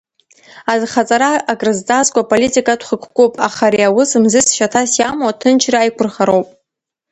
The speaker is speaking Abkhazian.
Азхаҵара акрызҵазкуа политикатә хықәкуп, аха ари аус мзызс, шьаҭас иамоу аҭынчра аиқәырхароуп.